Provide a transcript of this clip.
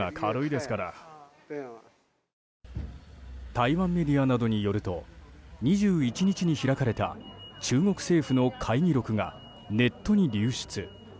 台湾メディアなどによると２１日に開かれた中国政府の会議録がネットに流出。